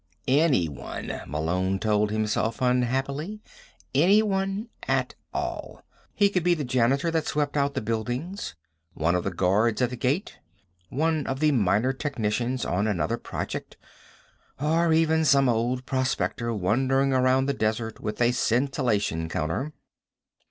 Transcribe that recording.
Anyone, Malone told himself unhappily. Anyone at all. He could be the janitor that swept out the buildings, one of the guards at the gate, one of the minor technicians on another project, or even some old prospector wandering around the desert with a scintillation counter.